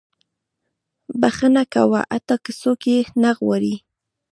• بښنه کوه، حتی که څوک یې نه غواړي.